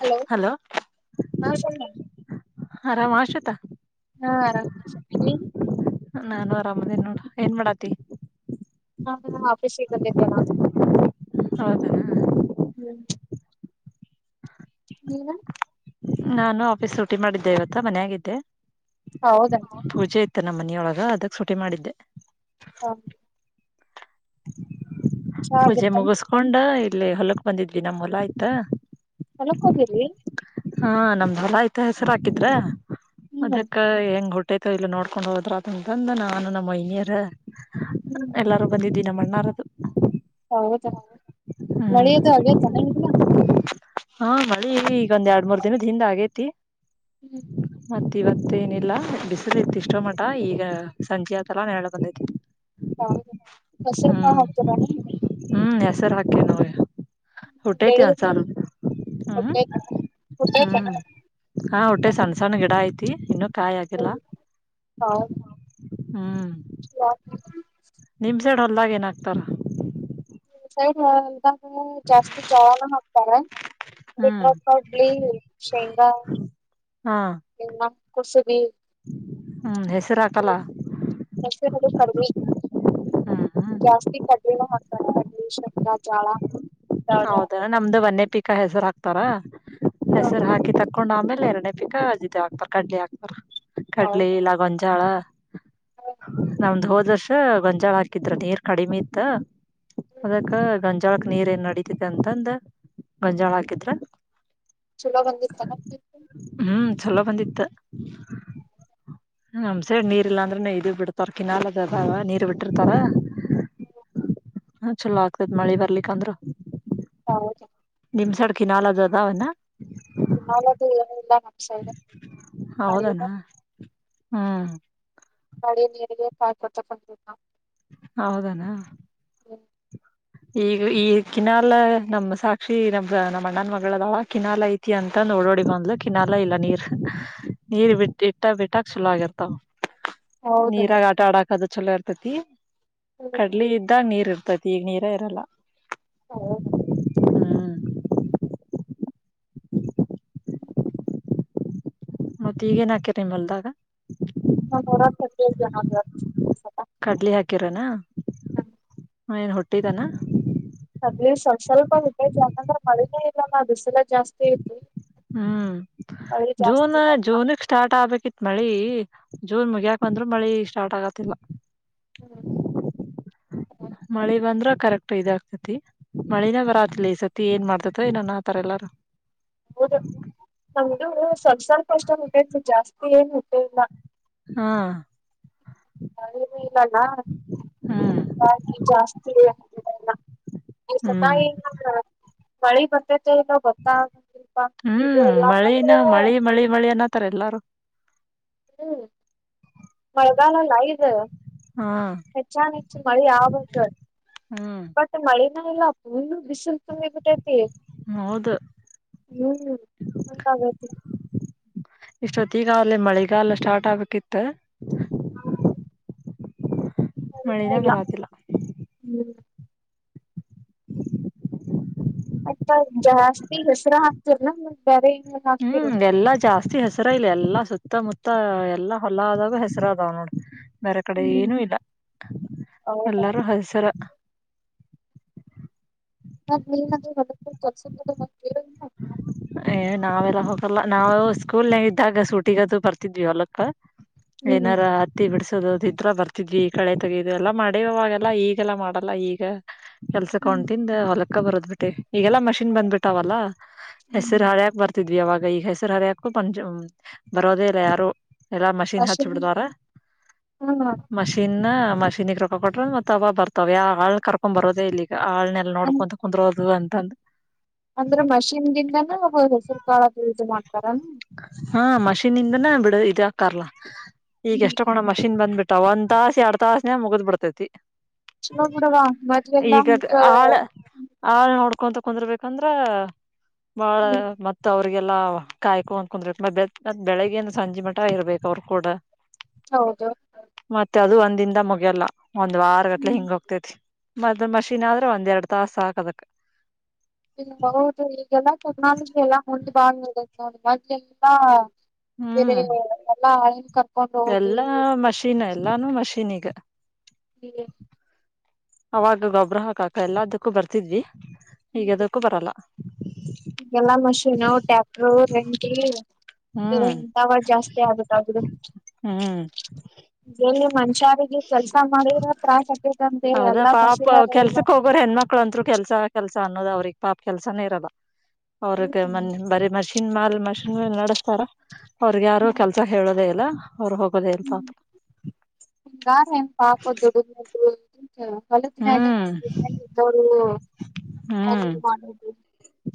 Hello ಹಾ ಸ ಆರಾಮ್ ಆಶತ ಹಾ ಆರಾಮಸಿ ನಾನು ಆರಾಮದೇ ನೋಡ ಏನ್ ಮಾಡಾತಿ ನಾ ವಾಫ ಶವೀಕಲಿತಲ್ಲಾ ಹೌದ ಹ್ಮ್ ನೀವ ನಾನು ಆಫೀಸ್ ರರುಟಿ ಮಾಡಿದ್ದೆ ಇವತ್ತ ಮನ ಆಾಗಿದ್ದೆ ಹೌದಾ ಮ ನಮ್ಮ ಮನಿಯೊಳಗ ಅದಕ್ ಸುಟೆ ಮಾಡಿದ್ದೆ ಹ ಚಾ [inaudible] ಪೂಜೆ ಆಗಿತ್ತಾನ ಮುಗಿಸಕೊಂಡ. ಇಲ್ಲೇ ಹೊಲಕ್ ಬಂದಿದ್ವಿ ನಮ್ಮ್ ಹೊಲ ಆಯ್ತಾ. ಚೆಲಕ್ ಹೋಗಿರಿ. ಹಾ ನಮ್ದ್ ಹೊರ ಆಯ್ತಾ ಹೆಸರು ಹಾಕಿದ್ರ. ಹ್ಮ್ ಅದಕ್ಕ ಹೆಂಗ್ ಟ. ತ ಇಲ್ಲಿ ನೋಡ್ಕೊಂಡ್ ಹೋದ್ರ ಅಂತಂದ ನಾನು ನಮ್ಮ ಇನಿಯರ ಹ್ಮ್ ಎಲ್ಲಾರು ಬಂದಿದ್ದೀ ನಿ ಮಣ್ಣಾರದು ಹೌದಾ ನಳೆಯದು ಹಾಗೇ ತನ ಇಲ್ಲ ಹಾ ಮಳಿ ಒಂದ್ ಎರಡ್ ಮೂರ್ ದಿನದ ಹಿಂದ ಆಗೇತಿ ಹ್ಮ್ ಮತ್ತೆ ಇವತ್ತೇಏನಿಲ್ಲ ಬಿಸದ ಇತ್ತು ಇಷ್ಟೋ ಮಠ ಈಗ ಸಂಜೆ ಹತ್ತಾ ಹೇಳಳ್ಕಂದಿದಿ ಹೌ ಹೆಸರು ಕ ಹೋಗತೀರಣ ಹ್ಮ್ ಹೆಸರು ಹಾಕ ನಾವೇ ಊಟ್ಟೆ ತಿ ಬೆಳಿಗ್ಗೆ ಒಂದಸಣ ಹ್ಮ್ ಹುಟ್ಟೈತೇನ ಹುಟ್ಟೈತೇನ ಹ್ಮ್ ಹ ಹೊಊಟ್ಟೆ ಸಣ್ಣ ಹ್ಮ್ ಸಣ್ಣ ಗಿಡ ಐತಿ ಇನ್ನು ಕಾಯಾಗಲ್ಲ ಹಾ ಹ ಡ್ ಹೊಲ್ದಾಗ ಏನಾಗ್ತಾರ ಸ ಹದ ಜಾಸ್ತಿ ಜವಾನ ಹಾಕ್ತಾರೆ ಬಿಟ್ರ ಹ್ಮ್ ಕಡ್ಲಿ ಶೇಂಗಾ ಹಾ ಹ್ಮ್ ಹೆಸರು ಹಾಕಲ್ಲ ಕುಸುಬಿದು ಕಡ್ಮ ಹ್ಮ್ ಹ್ಮ್ ಜಾಸ್ತಿ ಕಡ್ಲೆ ಹಾಕ್ತಾರೆ ಕಡ ಶೇಂಗರ ಜಳ ಹೌದಣ ನಮ್ದು ವನ್ನೇ ಪೀಿಕ ಹೆಸರಾಗಗ್ತದೆ ತಾರಾ ದಸರ್ ಹಾಕಿ ತ ಹಾಕೊಂಡ್ ಆಮೇಲೆ ಎರಡನೇ ಪಿಾಜ್ ಹಾಕ್ತಾರ ಕಡ್ಲಿ ಹಾಕ್ತಾರಾರ್ ಕಡ್ಲಿ ಇಲ್ಲ ಗೊಂಜಾಳ ನಮ್ದು ಹೋದ್ ವರ್ಷ ಗಂಜಾಳ ಹಾಕಿದ್ರ ನೀರ್ ಕಡಿಮೆ ಇತ್ತ ಅದಕ್ಕ ಗಂಜಾಳಕ್ ನೀರ್ ಏನ್ಡತಿ ಅಂತಂದ ಮಂಜಾಳ ಹಾಕಿದ್ರ. ಚಲೋ ಬಂದಿಸತ. ಹ್ಮ್ ಚಲೋ ಬಂದಿತ್ತ ಹಮಸೆ ನೀರ್ ಇಲ್ಲಾಂದ್ರೆ ಇದದು ಬಿಡ್ತಾರ ಕಿನಾಲದ ಅದಾವ ನೀರ್ ಬಿಟ್ಟಿರ್ತಾರ. ಹ ಚಲೋ ಆಗ್ತದ ಮಳೆ ಬರ್ಲಿಿಕಂದ್ರ. ಹ. ನಿಮ್ ಸಡ್ಕ ನಾಲ ಅದು ಅದಾವನ. ನಾವದು. ಹೌದಣ ಹಾ ಮಳೆ ನೀರಿಗೆರಿಗೆ ಕಾಯ ಕೊೊಡ್ತಾ ಬೊಂಡ ನ ಹೌದಾನ [inaudible] ಈಗ ಈ ಕಿನಾಲ ನಮ ಸಾಕ್ಷಿ ನಮ ನಮ್ಮ ಅಣ್ಣನ್ ಮಗಳದವಳ ಕಿನಾಲ ಐತಿ ಅಂತಂದ ನೋಡೋಡಿ ಬಂದ್ಲು ಕಿನಾಲ ಇಲ್ಲ ನೀರ್ ನೀರ್ ಬಿಟ್ಟ ಇಟ್ಟ ಬಿಟ್ಟಕ್ ಚಲೋ ಆಗಿರ್ತಾವ ಹೌದನ್ ನೀರಾಗ ಆಟ ಆಡಾಕದ ಚಲೋ ಇರ್ತತಿ ಹ್ಮ್ ಕಡ್ಲಿ ಇದ್ದ ನೀರ್ ಇರ್ತ ತಗ ನೀ ಕೇರಳ ಹಾ ಹ್ಮ್ [inaudible] ಮತ್ತೆ ಈಗೇನ್ ಹಾಕ್ಯರಿ ನಿ್ಲ್ದಾಗ ನ ನರ ಹದದು ಜನಸ ಹ ಹ ಏನ್ ಹೊುಟ್ಟಿದ್ದಾನ ತಲೀಫ್ ಸ್ವಲ್ಪ ಹಟೈು ಯಾಕಂದ್ರೆ ಮಳಿನೇ ಇಲ್ಲ ನ ದದುಸಲ ಜಾಸ್ತಿ ಐತಿ ಹ್ಮ್ ಮಳಿ ಜೂನ್ ಜಾಸ್ತಿನ ಇಲ್ಲ ಜೂನ್ಕ್ ಸ್ಟಾರ್ಟ್ ಆಗ್ಬೇಕಿತ್ ಮಳಿ ಜೂನ್ ಮು್ಯಾಾಕ ಬಂದ್ರು ಮಳಿ ಇಷ್ಟ ಸ್ಟಾರ್ಟ್ ಆಗತಿಲ್ಲ ಹ್ಮ್ ಮಳೆ ಬಂದ್ರ ಕರೆಕ್ಟ್ ಇದಾಗ್ತತಿ ಮಳಿನ ಬರಾತ್ಲಿ ಸತಿ ಏನ್ ಮಾಡ್ತತ ಇನೊನ್ ಆತಾರ ಎಲ್ಲಾರ ಹೌದು ನಮ್ದು ಸಸ ಕೋಷ್ಟ ಮುಟ ಇತ್ತು ಜಾಸ್ತಿ ಏನ್ ಮುಟ್ಟೆ ಇಲ್ಲ ಹಾ ನ ಇಲ್ಲಲ್ಲ ಹ್ಮ್ ಹಾಗ ಜಾಸ್ತಿ ಹ್ಮ್ ಈಸಾಯಿ ಮಳಿ ಬರ್ತೈತೆ ಇಲ್ಲೋ ಬತ್ತಾ ಹ್ಮ್ ಮಳಿನ ಮಳಿ ಮಳಿ ಮಳಿ ಅನ್ನತಾರೆ ಎಲ್ಲಾರು ಹ್ಮ್ ಮಳೆಗಾಲಲ್ಲಐದೆ ಹಾ ಹೆೆಚ್ಚಾನ ಹೆಚ್ಚು ಮಳೆ ಆಗುದು ಹ್ಮ್ ಬಟ್ ಮಳೆ ನ ಇಲ್ಲ ಅಪ್ಪ ನಿಶುಲ್ಕೇ ಪಟತಿ ಹೌದು ಹ್ಮ್ ಇಷ್ಟೊತ್ ಈಗ ಅಲ್ಲೇ ಮಳೆಗ ಎಲ್ಲ ಸ್ಟಾರ್ಟ್ ಆಗ್ಬೇಕಕ್ಿತ್ತ ಹಾ ಮಳೆಿನ ಬರತಿಲ್ಲ ಹ್ಮ್ ಆಯ್ತಾ ಜಾಸ್ತಿ ಹೆಸರಾ ಹಾಕ್ತರ ಹ್ಮ್ ಎಲ್ಲಾ ಜಾಸ್ತಿ ಹೆಸರ ಇಲ್ಲ ಎಲ್ಲಾ ಸುತ್ತಮುತ್ತ ಎಲ್ಲಾ ಹೊಲ ಆದಾಗ ಹೆಸರು ಅದಾವ ನೋಡ ಬೇರೆ ಕಡೆ ಹ್ಮ್ ಏನುೂ ಇಲ್ಲ ಹೌದಾ ಎಲ್ಲಾರೂ ಹದಸರ ಮ ನೀನ್ಾದ್ರ ಕಸ ಕೇಳ ಏ ನಾವೆಲ್ಲ ಹೋಗಲ್ಲ ನಾವು ಸ್ಕೂಲ್ ನ ಇದ್ದಾಗ ಸೂಟಿಗದು ಬರ್ತಿದ್ವಿ ಹೊಲಕ್ಕ ಹ್ಮ್ ಏನಾರ ಹತ್ತಿ ಬಿಡ್ಸ ಇದ್ರ ಬರ್ತಿದ್ವಿ ಕಳೆ ತಗು ಎಲ್ಲ ಮಾಡ್ಯವಾಗೆಲ್ಲ ಈಗೆಲ್ಲ ಮಾಡಲ್ಲ ಈಗ ಕೆಲ್ಸ ಹ್ಮ್ ಕೊಂಡ್ತಿಂದ ಹೊಲಕ್ ಅಕ್ಕ ಬರೋ್ ಬಿಟ್ಟೆ ಈಗೆಲ್ಲಾ ಮಷಿನ್ ಬಂದ್ಬಿಟ್ಟಾವಲ್ಲ ಹ್ಮ್ ಹೆಸರು ಹಳ್ಯಾಗಿ ಬರ್ತ ಇದ್ವಿ ಅವಾಗ ಈಗ ಹೆಸರು ಹರಯಕು ಪಂ ಬರೋದೇ ಇಲ್ಲ ಯಾರು ಎಲ್ಲಾ ಮಷಿನ್ ಹಚ್ಚ ಬಿಿಡ್ತವಾರ ಹ್ಮ್ ಮಷಿನ್ ಮಷೀನ್ಿಗೆ ರೊಕ್ಕ ಕೊಟ್ರ ಮತ್ತ ಅವ ಬರ್ತಾವ ಯ ಹಾಳ್ ಕರ್ಕೊಂಡ್ ಬರೋದೇ ಇಲ್ಲಿ ಆನೆೆಲ್ಲ ನೋಡ್ಕೊಂತ ಕುಂದ್ರೋದುಂತ ಂದು ಅಂದ್ರೆ ಮಷಿನ್ ದಿಂದ ಸುಲ್ಕಾರ ಮಾಡತ ಹಾ ಮಷೀನ್ಿಂದನ ಬಿಡ ಇದ ಹಕಾರ್ಲ್ಲ ಈಗ ಎಷ್ಟು ಕೋಣ ಮಷೀನ್ ಬಂದ್ಬಿಟ್ಟು ಅ ಒಂದ್ ತಾಸ ಎರಡ್ ತಾಸನೇ ಮುಗ್ದ್ ಬಿಡ್ತೈತಿ ಚ ಬಿಡವಾ ಮೊದ್ಲೆಲ್ಲಾ ಹಂಗ ಕಕೊಂತ ಕುೊಂಡಿರ್ಬೇಕಂದ್ರ ಬಾಳ ಹ್ಮ್ ಮತ್ತ ಅವ್ರ ಪಗೆಲ ಕಾಯ್ಕು ಅಂದ್ ಕುಂದ್ರೆ ಮ ಬೆಳಿಗ್ಗೆಿಂದ ಸಂಜೆ ಮಠ ಇರ್ಬೇಕಕ್ ಅವ್ರರು ಕೂಡ ಹೌದು ದಿಂದ ಮುಗಿಯಲ್ಲ ಒಂದ್ ವಾರ ಗಟ್ಲೆ ಹ್ಮ್ ಹಿಂಗ ಹೋಗ್ತೇತಿ ಮದ ಮಷಿನ್ ಆದ್ರೆ ಒಂದ್ ಎರಡ್ ತಾಸ ಹಾಕದಕ್ ಹ್ಮ ಹೌದು ಈಗೆಲ್ಲಾ ಟೆಕ್ನಾಲಜಿ ಎಲ್ಲ ಮು ಬಾ ಮಾಡ ಎಲ್ಲ ಬರೆ ಹ್ಮ್ [inaudible] ಎಲ್ಲಾ ಮಷೀನ್ ಎಲ್ಲಾನು ಮಷಿನ್ಗ ಅವಾಗ ಗೊಬ್ಬ್ರ ಹಾಕಾಕ ಎಲ್ಲದಕ್ಕೂ ಬರ್ತಿದ್ವಿ ಹೀಗ ಅದಕ್ಕೂ ಬರಲ್ಲ ಈಗೆಲ್ಲಾ ಮಷೀನು ಟ್ಯಾಕ್ಟರು ರೆಂಟಂತ ಹ್ಮ್ ಜಾಸ್ತಿ ಆಗುತ್ತಾದದು ಹ್ಮ್ ಎಲ್ಲಿ ಮನುಷ್ಯಿಗೆ ಕೆಲ್ಸ ಮಾಡಿ ತ್ರಾಸ ಆತ ಅದ ಪಾಪ ಕೆಲ್ಸಕ್ ಹೋಗರ ಹೆಣ್ಮಕ್ಳ ಅಂತ್ರು ಕೆಲ್ಸ ಕೆಲ್ಸ ಅನ್ನೋದ ಅವ್ರಿಗೆ ಪಾಪ ಕೆಲ್ಸಾನೇ ಇರದ ಅವ್ರಕ್ಕೆ ಮೆ ಹ್ಮ್ ಬರಿ ಮಷಿ ನ್ ಮಾಲ್ ಮಷಿನ್ ಮೇಲೆ ನಡೆಸ್ತಾರ ಅವ್ರಗ್ ಯಾರು ಕೆಲ್ಸ ಹೇಳೋದೇ ಇಲ್ಲ ಅವ್ರು ಹೋಗೋದೇ ಇಲ್ ಹ್ಮ್ ಪಾಪ ನಿ ಯಾರನ್ ಪಾಪೋದುಡ ಹ ಹ್ಮ್ ಹೊಲಿನಪೆಇದ್ದವರು ಹ ಬ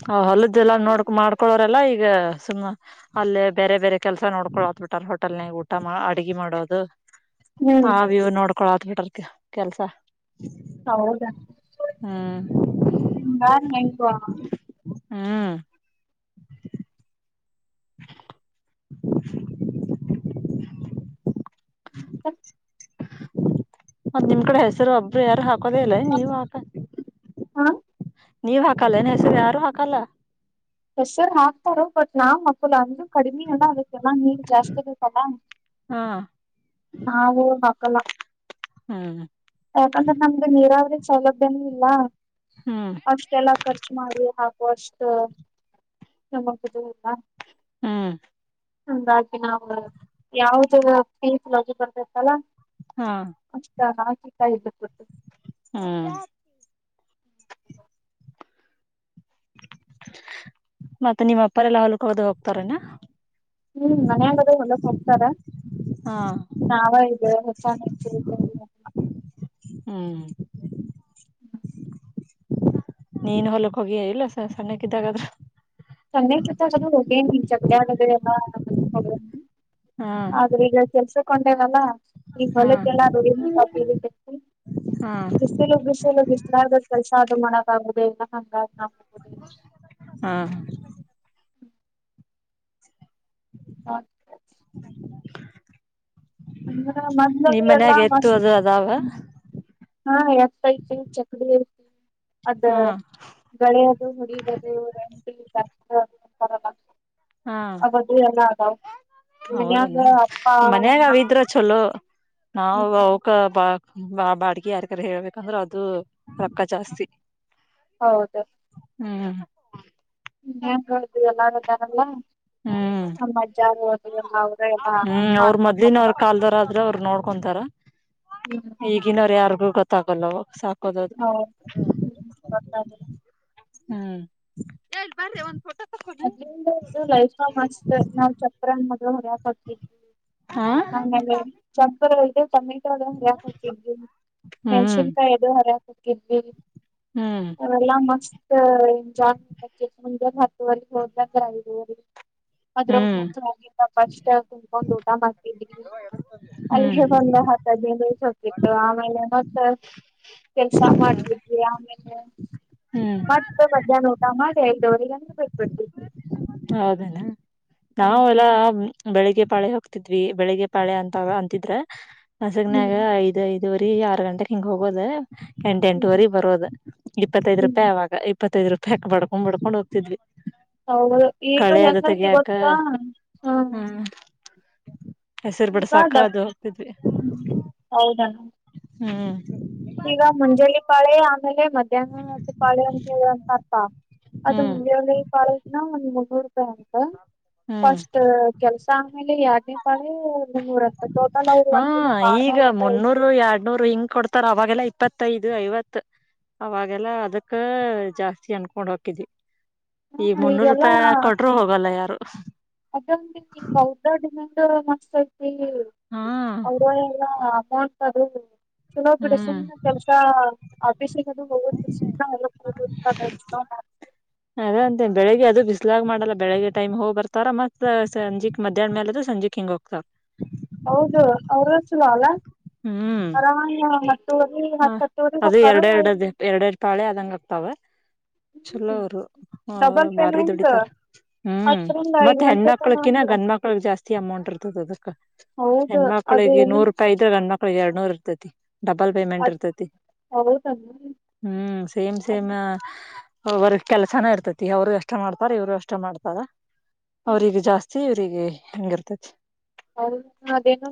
ಹ ಅಲ್ಲದ ಎಲ್ಲ ನೋಡ್ ಮಾಡ್ಕೊಳೋರೆಲ್ಲಾ ಈಗ ಸುಮ್ಮ ಅಲ್ಲೇ ಬೇರೆ ಬೇರೆ ಕೆಲ್ಸ ನೋಡ್ಕೊ ಹತ್ಟಾರ ಹೋಟೆಲ್ನಾಗ ಊಟ ಅಡ್ಗ ಮಾಡೋದು ಹ್ಮ್ ಹ ವ್ಯೂ ನೋಡ ಳತ್ ಬಿಟರ್ ಕೆಲ್ಸ ಹೌದಾ ಹ್ಮ್ ಹಾ ಹ್ಮ್ [inaudible] ಹ್ಮ ಒಂದ್ ನಿಮ್ ಕಡೆ ಹೆಸರು ಒಬ್ರು ಯಾರು ಹ ಕದ ಇಲ್ಲ ನೀವುಆತ ಹಾ ನೀವ್ ಹಾಕಲ್ಲ ಏನ ಹೆಸರು ಯಾರು ಹಾಕಲ್ಲ ಹೆಸರು ಹಾಕ್ತಾರ ಬಟ್ ನಾವ್ ಮಕ್ಕಳು ಅಂದ ಕಡಿಮೆ ಅಲ್ಲ ಅದಕ್ಕೆಲ್ಲ ನೀರ್ ಜಾಸ್ತಿ ಆಗೇಕಲ್ಲ ಹಾ ನಾ ಕಲ ಹ್ಮ್ ಯಕಂದ ತ ನೀರಾವ ಸೌಲಭ್ಯನ ಇಲ್ಲ ಹ್ಮ್ ಅಷ್ಟೆಲ್ಲಾ ಖರ್ಚು ಮಾಡಿ ಹಾಕ ಕಷ್ಟ ನಮಕ್ ಇದು ಇಲ್ಲ ಹ್ಮ್ ಹಾಗಾಗಿ ನಾವು ಯಾವ್ದ ಪಡ್ತತಲ್ಲ ಅಷ್ಟ ಇ್ದತ ಹ್ಮ [unintelligible] ಮತ್ತೆ ನಿಮ್ಮ ಅಪ್ಪರೆಲ್ಲಾ ಹೊಲ್ಕಳದ ಹೋಗ್ತಾರನಾ ಹ್ಮ್ ಮನ್ ಆಾಗದೆ ಹೊಳ್ಳಕ್ಕೆ ಹೋಗ್ತಾರ ನಾವ ಇದು ಹೆ ಚ ಹೆಚ್ಚ ಹ್ಮ್ ನೀನ್ ಹೊಲಕ್ ಹೋಗಿಯ ಇಲ್ಲ ಸ ಸಣ್ಣಕ್ಿದ್ದಾಗಾದ್ರ [unintelligible] ಹಾ ಆದ್ರೆ ಈಗ ಕೆಲ್ಸ ಕೊಂಡೇವಲ್ಲ ಈ ಹಾ ಹೊಲಲ್ಲಡಿ ಹ್ಮ ಬಿಸಿಲು ಬಿಸಿಲು ಬಿಸಲಾಗ್ ಕೆಲ್ಸ ಆದ್ರ ಮ ತೌದ ಇಲ್ಲ ಹ ಹಾ ಹ್ಮ ಅ ಮದಲವೆ ನಿಮ್ ಎಲ್ಲಾ ಮನ್ಯಾಗ ಎತ್ತು ಮಸ್್ಮ ಅದು ಅದಾವ ಹಾ ಆತ ಇತ ಚಕಡಿ ಇಐ ಅದ ಹಾ ಳೆದು ಹುಡಿದದುಂ ಹರ ಹಾ ಅದು ಎಲ್ಲ ಆಗಾಂಗ ಹೌದನ ಅಪ್ಪಾ ಅ್ಣ ನಾವು ಬಾಡಿಗೆ ಯಾರ ಕರೆ ಹೇಳ್ಬೇಕಂದ್ರೆ ಅದು ರೊಕ್ಕ ಜಾಸ್ತಿ ಹೌದು ಹ್ಮ್ ಹನ್ ಹೇಳು ಎಲ್ಲ್ದಾರಲ್ಲಾ ಹ್ಮ್ ಅವ್ರ ಎಲ್ಲಾ ಹ್ಮ್ ಅವ್ರ ಮಾಡ್ಕೊಂಡಪ್ಪ ಮೊದ್ಲಿನವ್ರ ಕಾಲ್ದವರ ಆದ್ರೆ ಅವ್ರ ನೋಡ್ಕೊಂತಾರ ಹ್ಮ್ ಈಗಿನವ್ರ ಯಾರ್ಗು ಕತಾಗಲ್ಲ ಸಾ ಹ್ಮ ಹ್ಮ ಹ ಹ್ಮ್ ಹಳ್ ಬನ್್ರಿ ಒಂದ್ ಫೋಟ ಮದಂದ ಇದು ಲೈಫ ಮಸ್ತ್ ನಾವ್ ಚಕ್ರನ್ ಮೊದ್ಲು ಹೊರಯಕ ಹತಿದ್ವಿ ಹಾ ನ ಚ ತಯ ಹರತ ಹ್ಮ್ ಮೆನ್ಸನ್ ಕ ಎದು ಹರ ಕಲ್ಲಿ ಹ್ಮ್ ಎಲ್ಲ ಮ. ಎಜ ಹೋದ ಹ್ಮ್ ಅದ್ರೋಗ ಫಸ್ಟ್ ಕುತ್ಕೊಂಡ್ ಊಟ ಮಾಡ್ತಿದ್ವಿ ಅಲ್ಲಿ ಹ್ಮ್ ಒಂದು ಹತ್ತು ಹದ್ಿನದು [inaudible] ಆಮೇಲೆ ಮತ್ತ ಕೆಲ್ಸ ಮಾಡ್ತಿದ್ವಿ ಹ ಹ್ಮ್ [inaudible] ಮತ್ತ ಮಜ ನ [inaudible] ಸಮಧೇ ಆಯತ ಅವರಿಗೆೇಕು. ಬಟ್ಟ [inaudible] ಹೌದೇನಾ ನಾವ ಎಲ್ಲ ಬೆಳಿಗ್ಗೆ ಪಾಳೆ ಹೋಗ್ತಿದ್ವಿ ಬೆಳಿಗ್ಗೆ ಪಾಳೆ ಅಂತ ಅಂತಿದ್ರೆ ಹಸಗ್ನಯಾಗ ಹ್ಮ್ ಐದ್ ಐದು ವರ್ಷ ದೆ ಆರು ಗಂಟೆೆಗೆ ಹಿಂಗ ಹೋಗೋದ ಎಂಟ ಎಂಟುವರೆ ಬರೋದು ಇಪ್ಪತ್ತೈದ್ ಹ್ಮ್ ರೂಪಾಯಿ ಅವಾಗ ಇತ್ತೈದು ರೂಪಾಯಿಾಕ್ಡ್ಕೊಂಡ್ ಬಕೊಂಡ್ಗತಿದ್ವಿ ಹೌದು ಈಗ ಹೆಂಗತಿ ಗೊತ್ತಾ ಹಾ ಹ್ಮ್ [unintelligible] ಹೆಸರು ಬಿಡ ಸಾಕ ಅದು ಹೋಗಕ್ತಿದ್ವಿ ಹೌದಣ ಹ್ಮ್ ಈಗ ಮಂಜಲಿ ಪಾಳೆ ಆಮೇಲೆ ಮಧ್ಯಾಹ್ನದ ಕಾಳೆ ಅಂತ ಹೇಳಂತರ್ಥ ಅದು ಹ್ಮ್ ಮುಂದ ಕಾಲೇಜಿನ್ ಒ ಮುೂರು ಸಂತ [inaudible] ಹ್ಮ್ ಫಸ್ಟ್ ಕೆಲ್ಸ ಆದಮ್ಮೇಲೆ ಎಡ್ನೇ ಪಳೆ ಮುನ್ನೂರ ಅಂತ ಟೋಟಲ್ ಅವರು ಹಾ ಒಂದ್ಲೋ ಆ ಈಗ ನೂರು ರೂಪಾಯಿ ಐ ಮುನ್ನೂರು ಎರಡ್ನೂರು ಹಿಂಗ್ ಕೊಡ್ತಾರ ಅವಾಗೆಲ್ಲಾ ಇಪ್ಪತ್ತೈದು ಐವತ್ ಅವಾಗೆಲ್ಲಾ ಅದಕ್ಕ ಜಾಸ್ತಿ ಅನ್ಕೊಂಡ್ ಹಕಿದ್ವಿ ಹಾ ಈಗ ಮುನ್ನೂರು ರೂಪಾಯಿ ಕೊಟರು ಹೋಗಲ್ಲ ಯಾರು ಅ ಬೌತಡ್ನ್ [inaudible] ಮಸ್ತ [inaudible] [unintelligible] ಹಾ ಒಗಲ್ಲ ಹ ಚಲೋ ಬಿಡ ಹ್ಮ್ ಸುಮ್ಮ ಕೆಲಸ ಅಪೇಷೆದು ಬಹ ಸುಂದರ [inaudible] ಹ ನೋ [inaudible] ಅದ ಅಂತ ಬೆಳಿಗ್ ಅದು ಬಿಸ್ಲಾಗಿ ಮಾಡಲ್ಲ ಬೆಳಿಗ್ಗೆ ಟೈಮ್ ಹೋಗ್ ಬರ್ತಾರ ಮತ್ ಸಂಜೆಕ್ ಮಧ್ಯಾಹ್ನ ಮೇಲೆ ಅದು ಸಂಜೆಕ್ ಹಿಂಗ ಹೋಗ್ತಾರ ಹೌದು ಅವ್ರ ಚಲೋ ಅಲ್ಲ ಹ್ಮ್ ಆರಾಮಾಗಿ ಹತ್ತುವರಿ ಹ ಹತ್ತ್ ಹತ್ತುವರಿಗ್ ಅದು ಹೊಕ್ಕಾರ ಎರಡೆರಡು ಐದ್ ಗಂಟೆ ಎರಡೆರಡು ಪಾಳೆ ಅದಂಗ ಆಗ್ತಾವ ಚಲೋ ಹ್ಮ್ ಅವರು ಡಬಲ್ ಬಾರಿ ಪೇಮೆಂಟ್ ದುಡಿತಾರ ಹ್ಮ್ ಹತ್ತರಿಂದ ಐದ್ ಮತ್ತೆ ಗಂಟೆ ತನ ಹೆಣ್ಮಕ್ಳಕ್ಕಿನಾಗ ಅಂದ್ರ ಗಣ್ಮಕ್ಳಗ್ ಜಾಸ್ತಿ ಅಮೌಂಟ್ ಇರ್ತದ ಅದಕ್ ಹೌದು ಅದು ಹೆಣ್ಮಕ್ಳಿಗೆ ಏನ ನೂರು ರೂಪಾಯಿ ಹೆಣ್ಣ ಮಕ್ಳು ಎರಡ್ ನೂರು ಇರುತ್ತದೆ ಡಬಲ್ ಪೇಮೆಂಟ್ ಅದ್ ಇರ್ತತಿ ಹೌದನು ಹ್ಮ ಸೇಮ್ ಅದ್ ಸೇಮ್ ಅವರ್ಗ್ ಕೆಲ್ಸಾನ ಇರ್ತತಿ ಅವರು ಎಷ್ಟ ಮಾಡ್ತಾರ ಇವ್ರು ಅಷ್ಟ ಮಾಡ್ತಾರ ಹ್ಮ್ ಅವ್ರಗ ಜಾಸ್ತಿ ಹಿಂಗೆ ಇರ್ತೀತೆ ಹೌದಾ ಅದೇ ಏನೋ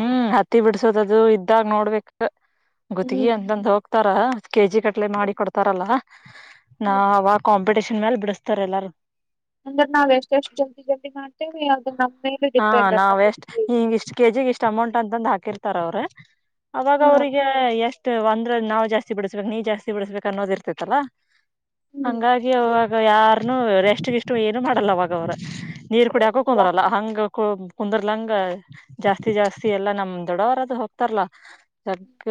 [unintelligible] ಗುತಗಿ ಅಂತಂದು ಹೋಗ್ತಾರ ಕೆ ಜಿ ಕಟ್ಲೆ ಮಾಡಿ ಕೊಡ್ತಾರಲ್ಲ ನ ಅವ ಕಾಂಪಿಟಷನ್ ಮೇಲೆ ಬಿಡಸ್ತಾರೆ ಎಲ್ಲಾರೂ ಅಂದ್ರೆ ನಾವ್ ಎಷ್ಟ ಎಷ್ಟು ಜಲ್ದಿ ಜಲ್ದಿ ಮಾಡ್ತೇವಿ ಅದನ್ನ ಹಾ ನಾವ್ ಎಷ್ಟ್ ಹಿಂಗ್ ಇಷ್ಟ್ ಕೆಜಿ ಇಷ್ಟ ಎಷ್ಟ ಅಮೌಂಟ್ ಅಂತಂದು ಹಾಕಿರ್ತಾರ ಅವ್ರೆ ಅವಾಗ ಅವ್ರಿಗೆ ಹ್ಮ್ ಎಷ್ಟು ಒಂದ್ರ ನಾವ್ ಜಾಸ್ತಿ ಬಿಡಿಸಬೇಕಕ್ ನೀ ಜಾಸ್ತಿ ಬಿಡಸ್ಬೇಕು ಅನ್ನೋದ ಇರ್ತೇತಲ್ಲ ಹಂಗಾಗಿ ಅವಾಗ ಯಾರನುೂ ರೆಷ್ಟಗಿಷ್ಟು ಏನು ಮಾಡಲ್ಲ ಅವಾಗ ಅವರು ನೀರ್ ಚಲೋ ಕುಡ್ಯಾಕ ಬಿಡುವ ಕುಂದ್ರಲ್ಲ ಹಂಗ ಕುಂದರ್ಲಂಗ ಜಾಸ್ತಿ ಜಾಸ್ತಿ ಎಲ್ಲಾ ನಮ್ ದೊಡ್ಡವರದು ಹೋಗ್ತಾರಲಾ ಯಕ್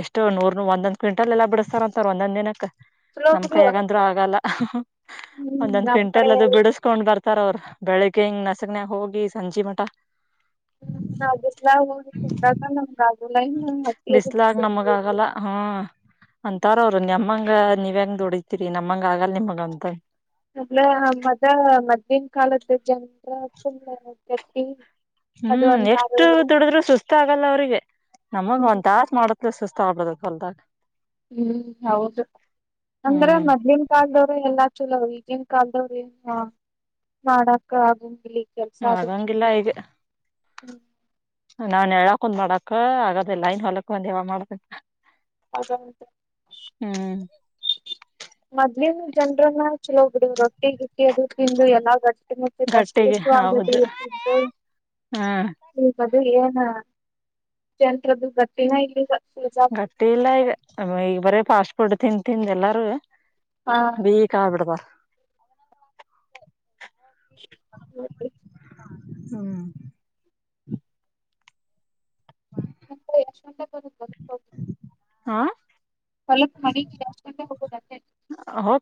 ಎಷ್ಟು ನೂರ್ ಒಂದೊಂದ್ ಕ್ವಿಂಟಲ್ ಎಲ್ಲಾ ಬಿಡಸ್ತಾರಂತಾರ ಒಂದೊಂದ್ ದಿನಕ್ಕೆ ಚಲೋ ನಮ್ ಕೈ ಬಿಡು ಯಾಗ ಅಂತು ಆಗಲ್ಲ [unintelligible] ಹ್ಮ್ ಒಂದೊಂದ್ ನಮ್ ಕ್ವಿಂಟಾಲ್ ಕಡೆ ಅದು ಬಿಡಿಸಕೊಂಡ್ ಬರ್ತಾ ರ ಅವ್ರ ಬೆಳಗ್ಗೆ ಹಿಂಗ ನಸಾಕನಾಗ್ ಹೋಗಿ ಸಂಜಿ ಮಠ ನಾವು ಬಿಸಿಲಾಗ್ [unintelligible] ಬಿಸ್ಲಾಗ ನಮಗ ಆಗಲ್ಲ ಹಾ ಅಂತಾರ ಅವರು ನಮ್ಮಂಗ ಹ ನೀವ ಹೆಂಗ ಧುಡಿತೀರಿ ನಮ್ಮಂಗ ಆಗಲ್ ನಿಮಗ ಅಂತ ಅಂದ್ರ ಮದ ಮೊದಲಿನ ಕಾಲದ ಜನರು ಹ್ಮ್ ಎಷ್ಟು ದುಡುದ್ರು ಸುಸ್ತ ಆಗಲ್ಲ ಅವ್ರಿಗೆ ನಮಗ ಹ್ಮ್ ಒಂದ ತಾಸು ಮಾಡತ್ಲು ಸುಸ್ತ ಆಗಿಬಿಡುತ್ತ ಹೊಲದಾಗ ಹ್ಮ್ ಹೌದು ಅಂದ್ರ ಹ್ಮ್ ಮೊದಲಿನ ಕಾಲದವ್ರ ಎಲ್ಲಾ ಚಲೋ ಅವ ಈಗನ್ ಕಾಲ್ದವ್ರರು ಏನ್ ಮಾಡಕ ಆಗಲಿ ಆಗಂಗಿಲ್ಲ ಈಗ ಹೂ ನಾನಾ ಯಾವ ಯಾವ ಕುಂತು ಮಾಡಕ್ ಆಗೋದು ಇಲ್ಲ ಇನ್ನ ಹೊಲಕ್ ಬಂದ ಯಾವಾಗ ಮಾಡಬೇಕು ಅದ ಹ್ಮ್ ಮದ್ಲಿನ್ ಜನ್ರನ್ನ ಚಲ ಹೋಗ್ಬಿಡು ರೊಟ್ಟಿ ಇಕ್ಕಿ ಅದು ತಿಂದು ಎಲ್ಲ ಗ ತ್ತಷ್ಟು ಗಟ್ಟಿಗೆ ಷ ಆಗದು ಹೌದು ಇರ್ತುದು ಹ್ಮ್ ಏನ್ ಜತ್ರದ್ದು ಗತ್ತಿನ ಇಲ್ಲಿ ಗಟ್ಟಿ ಇಲ್ಲ ಈಗ ಈಗ ಬರೀ ಫಾಸ್ಟ್ ಕೊಡ್ ತಿನ್ ತಿಂದ ಎಲ್ಲಾರೂ ಹಾ ಅದೀ ಕಬಿಡದ ಅ ಹಕೆ ಹ್ಮ್ ಷ್ಟ ಹಾ ಗಲುಪ್ ಮಾಡಿ ಎಷ್ಟ ಗಂಟೆ ಹೋಗುವುದಂತೆ ಹೋಗ್